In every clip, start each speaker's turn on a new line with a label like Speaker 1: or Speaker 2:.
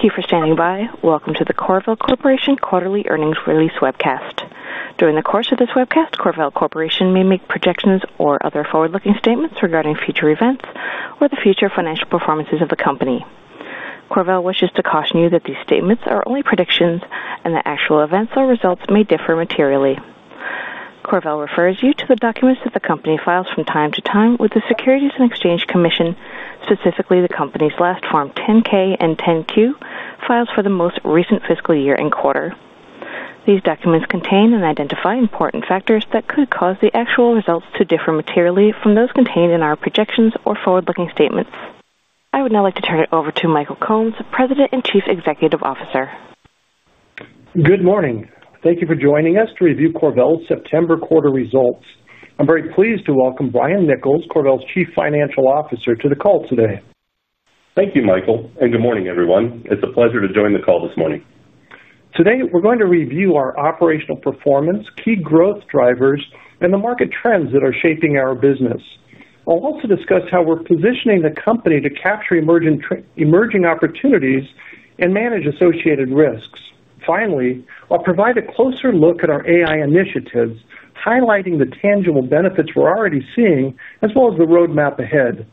Speaker 1: Thank you for standing by. Welcome to the CorVel Corporation Quarterly Earnings Release webcast. During the course of this webcast, CorVel Corporation may make projections or other forward-looking statements regarding future events or the future financial performances of the company. CorVel wishes to caution you that these statements are only predictions, and the actual events or results may differ materially. CorVel refers you to the documents that the company files from time to time with the Securities and Exchange Commission, specifically the company's last Form 10-K and 10-Q files for the most recent fiscal year and quarter. These documents contain and identify important factors that could cause the actual results to differ materially from those contained in our projections or forward-looking statements. I would now like to turn it over to Michael Combs, President and Chief Executive Officer.
Speaker 2: Good morning. Thank you for joining us to review CorVel's September quarter results. I'm very pleased to welcome Brian Nichols, CorVel's Chief Financial Officer, to the call today.
Speaker 3: Thank you, Michael, and good morning, everyone. It's a pleasure to join the call this morning.
Speaker 2: Today, we're going to review our operational performance, key growth drivers, and the market trends that are shaping our business. I'll also discuss how we're positioning the company to capture emerging opportunities and manage associated risks. Finally, I'll provide a closer look at our AI initiatives, highlighting the tangible benefits we're already seeing, as well as the roadmap ahead.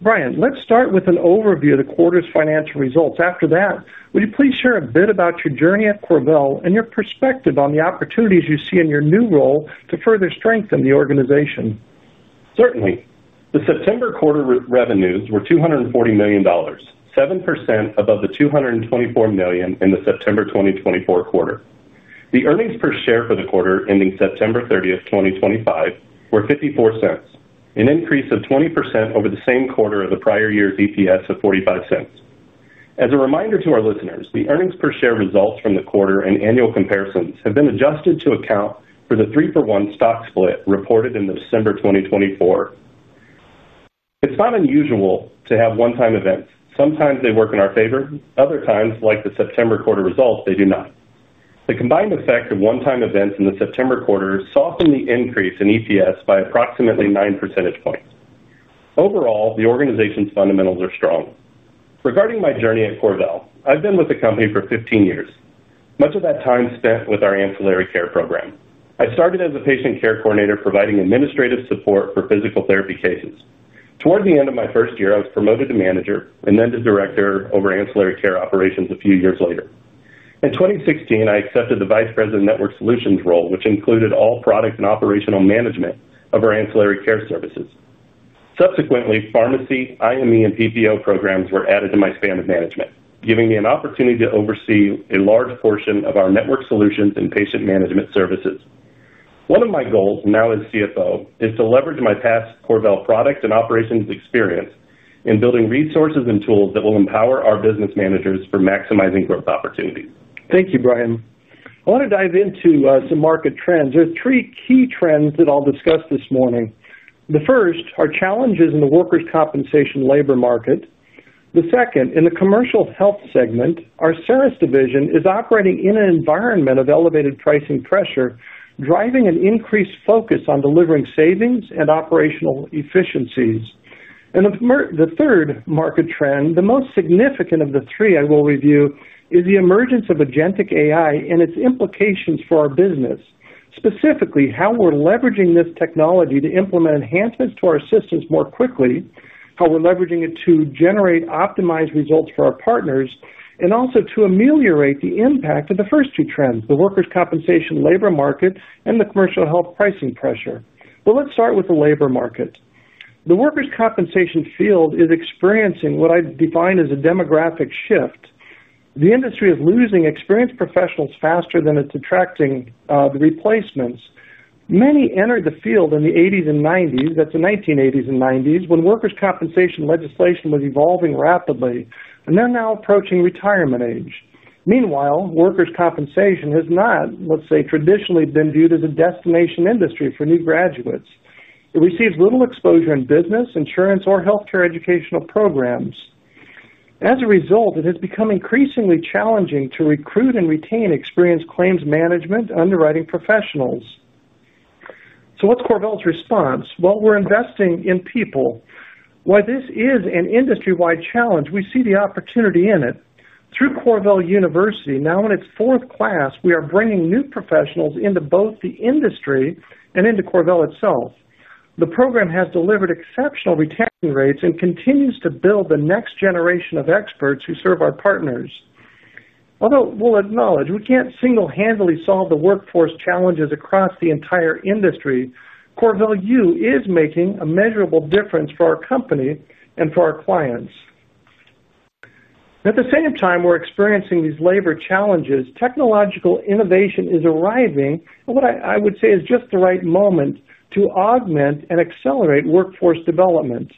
Speaker 2: Brian, let's start with an overview of the quarter's financial results. After that, would you please share a bit about your journey at CorVel and your perspective on the opportunities you see in your new role to further strengthen the organization?
Speaker 3: Certainly. The September quarter revenues were $240 million, 7% above the $224 million in the September 2024 quarter. The earnings per share for the quarter ending September 30, 2025, were $0.54, an increase of 20% over the same quarter of the prior year's EPS of $0.45. As a reminder to our listeners, the earnings per share results from the quarter and annual comparisons have been adjusted to account for the 3-for-1 stock split reported in the December 2024. It's not unusual to have one-time events. Sometimes they work in our favor. Other times, like the September quarter results, they do not. The combined effect of one-time events in the September quarter softened the increase in EPS by approximately 9 percentage points. Overall, the organization's fundamentals are strong. Regarding my journey at CorVel, I've been with the company for 15 years, much of that time spent with our ancillary care program. I started as a patient care coordinator, providing administrative support for physical therapy cases. Toward the end of my first year, I was promoted to manager and then to director over ancillary care operations a few years later. In 2016, I accepted the Vice President Network Solutions role, which included all product and operational management of our ancillary care services. Subsequently, pharmacy, IME, and PPO programs were added to my span of management, giving me an opportunity to oversee a large portion of our network solutions and patient management services. One of my goals now as CFO is to leverage my past CorVel product and operations experience in building resources and tools that will empower our business managers for maximizing growth opportunities.
Speaker 2: Thank you, Brian. I want to dive into some market trends. There are three key trends that I'll discuss this morning. The first are challenges in the workers' compensation labor market. The second, in the commercial health segment, our service division is operating in an environment of elevated pricing pressure, driving an increased focus on delivering savings and operational efficiencies. And the third market trend, the most significant of the three I will review, is the emergence of agentic AI and its implications for our business. Specifically, how we're leveraging this technology to implement enhancements to our systems more quickly, how we're leveraging it to generate optimized results for our partners, and also to ameliorate the impact of the first two trends, the workers' compensation labor market and the commercial health pricing pressure. But let's start with the labor market. The workers' compensation field is experiencing what I define as a demographic shift. The industry is losing experienced professionals faster than it's attracting the replacements. Many entered the field in the 1980s and 1990s (that's the 1980s and 1990s) when workers' compensation legislation was evolving rapidly, and they're now approaching retirement age. Meanwhile, workers' compensation has not, let's say, traditionally been viewed as a destination industry for new graduates. It receives little exposure in business, insurance, or healthcare educational programs. As a result, it has become increasingly challenging to recruit and retain experienced claims management underwriting professionals. So what's CorVel's response? Well, we're investing in people. While this is an industry-wide challenge, we see the opportunity in it. Through CorVel University, now in its fourth class, we are bringing new professionals into both the industry and into CorVel itself. The program has delivered exceptional retention rates and continues to build the next generation of experts who serve our partners. Although we'll acknowledge we can't single-handedly solve the workforce challenges across the entire industry, CorVel U is making a measurable difference for our company and for our clients. At the same time, we're experiencing these labor challenges. Technological innovation is arriving at what I would say is just the right moment to augment and accelerate workforce development.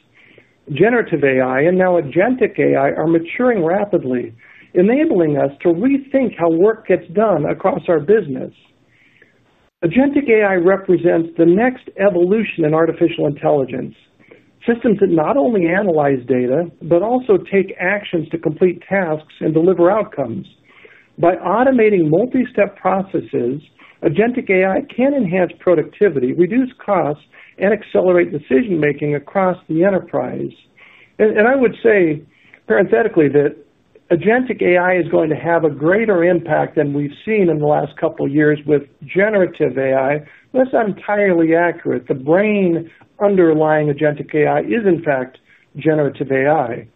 Speaker 2: Generative AI and now agentic AI are maturing rapidly, enabling us to rethink how work gets done across our business. Agentic AI represents the next evolution in artificial intelligence, systems that not only analyze data but also take actions to complete tasks and deliver outcomes. By automating multi-step processes, agentic AI can enhance productivity, reduce costs, and accelerate decision-making across the enterprise. And I would say, parenthetically, that agentic AI is going to have a greater impact than we've seen in the last couple of years with generative AI. That's not entirely accurate. The brain underlying agentic AI is, in fact, generative AI.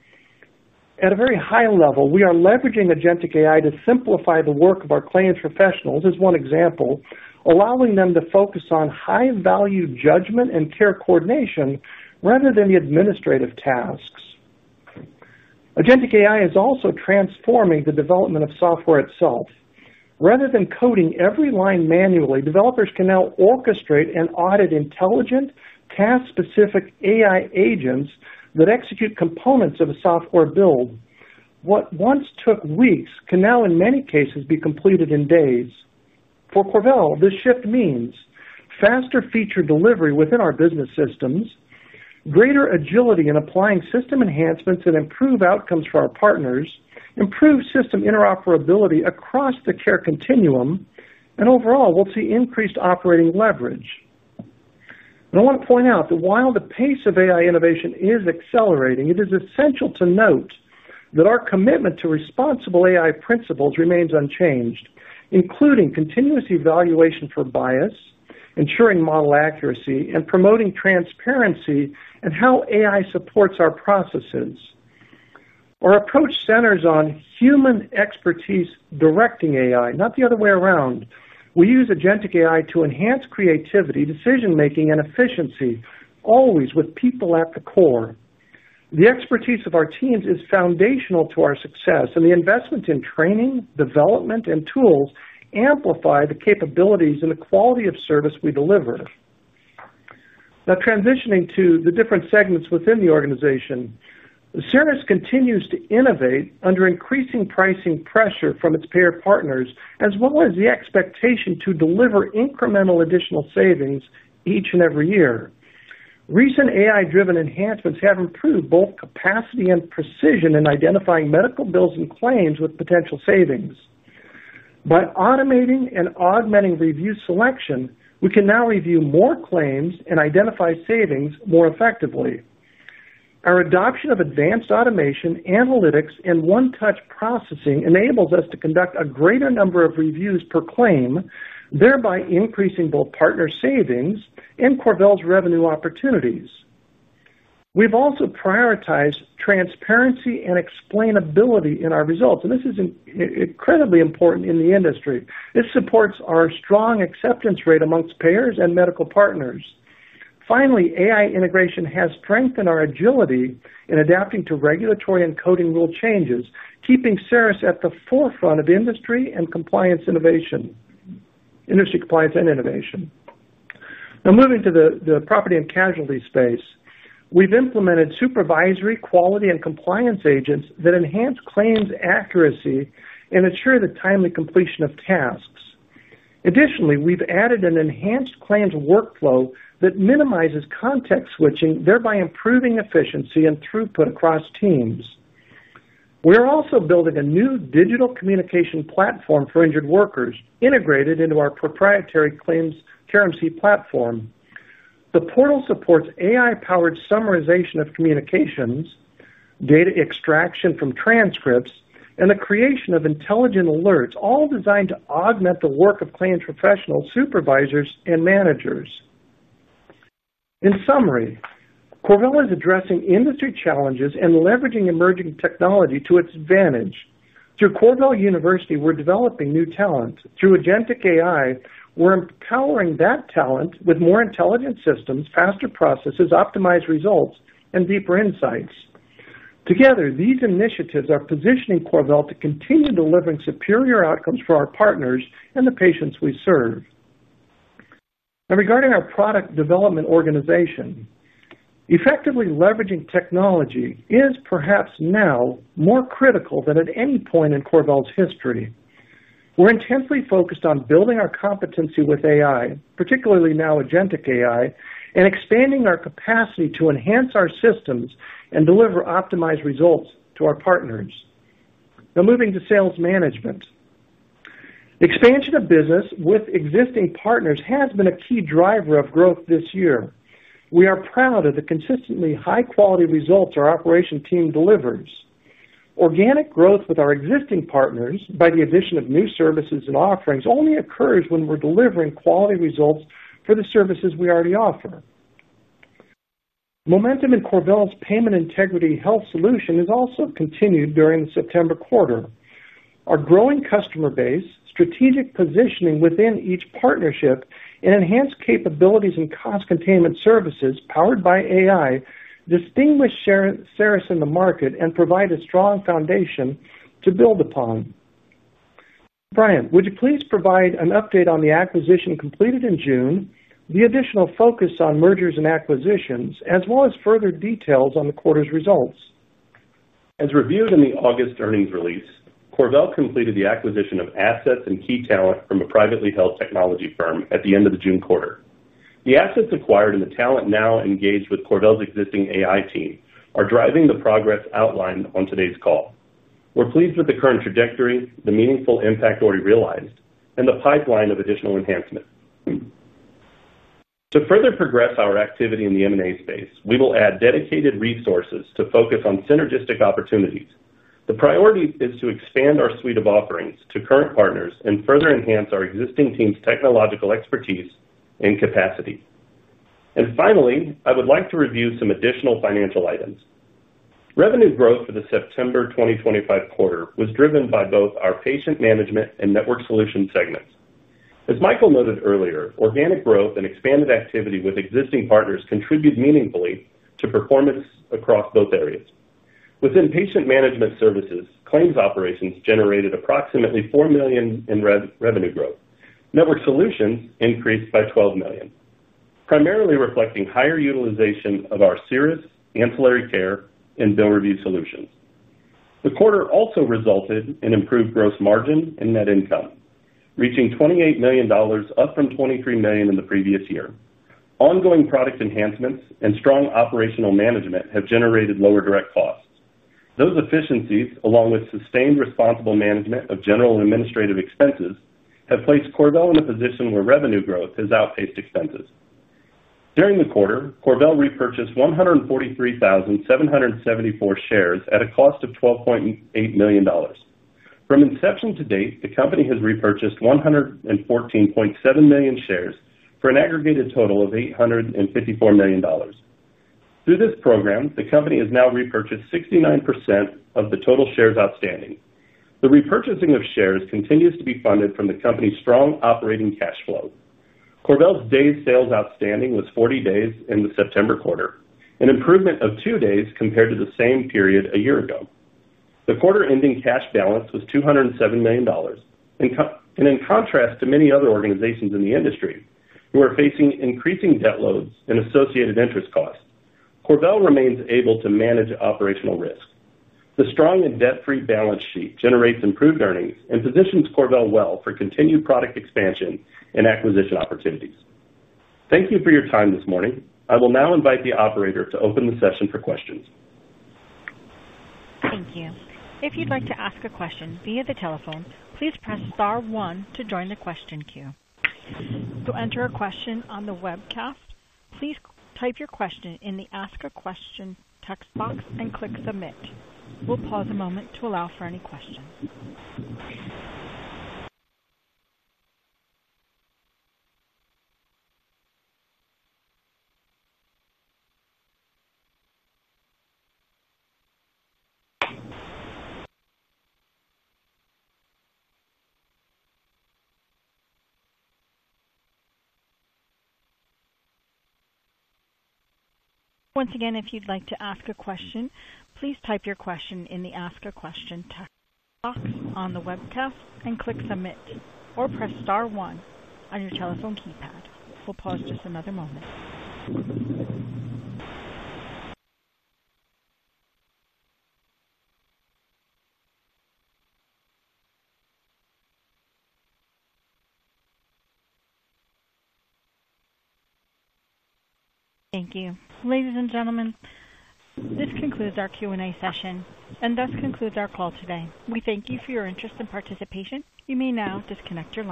Speaker 2: At a very high level, we are leveraging agentic AI to simplify the work of our claims professionals, as one example, allowing them to focus on high-value judgment and care coordination rather than the administrative tasks. Agentic AI is also transforming the development of software itself. Rather than coding every line manually, developers can now orchestrate and audit intelligent, task-specific AI agents that execute components of a software build. What once took weeks can now, in many cases, be completed in days. For CorVel, this shift means faster feature delivery within our business systems, greater agility in applying system enhancements that improve outcomes for our partners, improved system interoperability across the care continuum, and overall, we'll see increased operating leverage, and I want to point out that while the pace of AI innovation is accelerating, it is essential to note that our commitment to responsible AI principles remains unchanged, including continuous evaluation for bias, ensuring model accuracy, and promoting transparency in how AI supports our processes. Our approach centers on human expertise directing AI, not the other way around. We use agentic AI to enhance creativity, decision-making, and efficiency, always with people at the core. The expertise of our teams is foundational to our success, and the investment in training, development, and tools amplify the capabilities and the quality of service we deliver. Now, transitioning to the different segments within the organization, the service continues to innovate under increasing pricing pressure from its payer partners, as well as the expectation to deliver incremental additional savings each and every year. Recent AI-driven enhancements have improved both capacity and precision in identifying medical bills and claims with potential savings. By automating and augmenting review selection, we can now review more claims and identify savings more effectively. Our adoption of advanced automation, analytics, and one-touch processing enables us to conduct a greater number of reviews per claim, thereby increasing both partner savings and CorVel's revenue opportunities. We've also prioritized transparency and explainability in our results, and this is incredibly important in the industry. This supports our strong acceptance rate amongst payers and medical partners. Finally, AI integration has strengthened our agility in adapting to regulatory and coding rule changes, keeping service at the forefront of industry and compliance innovation. Now, moving to the property and casualty space, we've implemented supervisory, quality, and compliance agents that enhance claims accuracy and ensure the timely completion of tasks. Additionally, we've added an enhanced claims workflow that minimizes context switching, thereby improving efficiency and throughput across teams. We're also building a new digital communication platform for injured workers, integrated into our proprietary claims TRMC platform. The portal supports AI-powered summarization of communications, data extraction from transcripts, and the creation of intelligent alerts, all designed to augment the work of claims professionals, supervisors, and managers. In summary, CorVel is addressing industry challenges and leveraging emerging technology to its advantage. Through CorVel University, we're developing new talent. Through agentic AI, we're empowering that talent with more intelligent systems, faster processes, optimized results, and deeper insights. Together, these initiatives are positioning CorVel to continue delivering superior outcomes for our partners and the patients we serve. Now, regarding our product development organization. Effectively leveraging technology is perhaps now more critical than at any point in CorVel's history. We're intensely focused on building our competency with AI, particularly now agentic AI, and expanding our capacity to enhance our systems and deliver optimized results to our partners. Now, moving to sales management. Expansion of business with existing partners has been a key driver of growth this year. We are proud of the consistently high-quality results our operation team delivers. Organic growth with our existing partners by the addition of new services and offerings only occurs when we're delivering quality results for the services we already offer. Momentum in CorVel's payment integrity health solution has also continued during the September quarter. Our growing customer base, strategic positioning within each partnership, and enhanced capabilities and cost containment services powered by AI distinguish service in the market and provide a strong foundation to build upon. Brian, would you please provide an update on the acquisition completed in June, the additional focus on mergers and acquisitions, as well as further details on the quarter's results?
Speaker 3: As reviewed in the August earnings release, CorVel completed the acquisition of assets and key talent from a privately held technology firm at the end of the June quarter. The assets acquired and the talent now engaged with CorVel's existing AI team are driving the progress outlined on today's call. We're pleased with the current trajectory, the meaningful impact already realized, and the pipeline of additional enhancement. To further progress our activity in the M&A space, we will add dedicated resources to focus on synergistic opportunities. The priority is to expand our suite of offerings to current partners and further enhance our existing team's technological expertise and capacity. And finally, I would like to review some additional financial items. Revenue growth for the September 2025 quarter was driven by both our patient management and network solution segments. As Michael noted earlier, organic growth and expanded activity with existing partners contribute meaningfully to performance across both areas. Within patient management services, claims operations generated approximately $4 million in revenue growth. Network solutions increased by $12 million, primarily reflecting higher utilization of our service ancillary care and bill review solutions. The quarter also resulted in improved gross margin and net income, reaching $28 million, up from $23 million in the previous year. Ongoing product enhancements and strong operational management have generated lower direct costs. Those efficiencies, along with sustained responsible management of general and administrative expenses, have placed CorVel in a position where revenue growth has outpaced expenses. During the quarter, CorVel repurchased 143,774 shares at a cost of $12.8 million. From inception to date, the company has repurchased 114.7 million shares for an aggregated total of $854 million. Through this program, the company has now repurchased 69% of the total shares outstanding. The repurchasing of shares continues to be funded from the company's strong operating cash flow. CorVel's day sales outstanding was 40 days in the September quarter, an improvement of two days compared to the same period a year ago. The quarter-ending cash balance was $207 million. And in contrast to many other organizations in the industry who are facing increasing debt loads and associated interest costs, CorVel remains able to manage operational risk. The strong and debt-free balance sheet generates improved earnings and positions CorVel well for continued product expansion and acquisition opportunities. Thank you for your time this morning. I will now invite the operator to open the session for questions.
Speaker 1: Thank you. If you'd like to ask a question via the telephone, please press star one to join the question queue. To enter a question on the webcast, please type your question in the ask a question text box and click submit. We'll pause a moment to allow for any questions. Once again, if you'd like to ask a question, please type your question in the ask a question text box on the webcast and click submit, or press star one on your telephone keypad. We'll pause just another moment. Thank you. Ladies and gentlemen. This concludes our Q&A session, and thus concludes our call today. We thank you for your interest and participation. You may now disconnect or.